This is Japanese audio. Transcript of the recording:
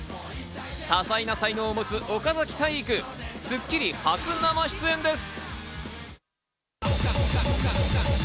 多彩な才能を持つ岡崎体育、『スッキリ』初生出演です。